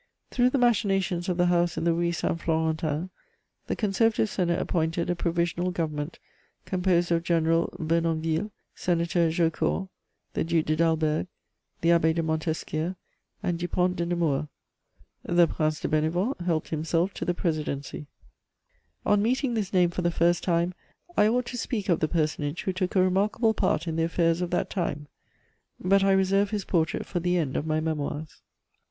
Through the machinations of the house in the Rue Saint Florentin, the Conservative Senate appointed a Provisional Government composed of General Beurnonville, Senator Jaucourt, the Duc de Dalberg, the Abbé de Montesquiou and Dupont de Nemours; the Prince de Bénévent helped himself to the presidency. [Sidenote: The provisional government.] On meeting this name for the first time, I ought to speak of the personage who took a remarkable part in the affairs of that time; but I reserve his portrait for the end of my Memoirs.